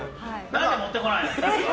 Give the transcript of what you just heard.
何で持ってこないの？